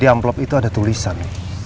di amplop itu ada tulisan